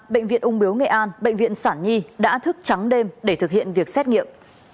bệnh viện ung biếu nghệ an bệnh viện sản nhi đã thức trắng đêm để thực hiện việc xét nghiệm